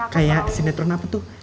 kayak sinetron apa tuh